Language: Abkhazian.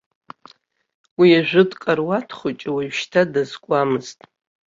Уи ажәытә каруаҭ хәыҷы уажәшьҭа дазкуамызт.